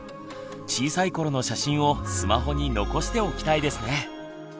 小さい頃の写真をスマホに残しておきたいですね。